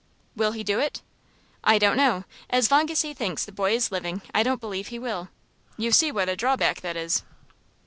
"Will he do it?" "I don't know. As long as he thinks the boy is living, I don't believe he will. You see what a drawback that is."